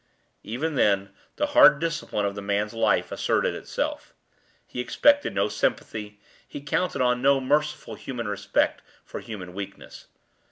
Even then the hard discipline of the man's life asserted itself. He expected no sympathy, he counted on no merciful human respect for human weakness.